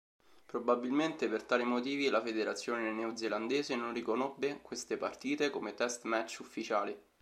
Probabilmente per tale motivi la federazione neozelandese non riconobbe queste partite come test-match ufficiali.